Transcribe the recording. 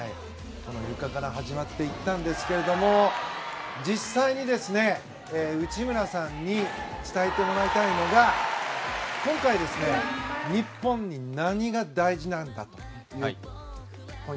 ゆかから始まっていったんですが実際に、内村さんに伝えてもらいたいのが今回、日本に何が大事なんだというところ。